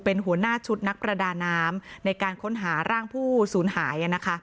เป็นหัวหน้าชุดนักประดาน้ำในการค้นหาร่างผู้สูญหาย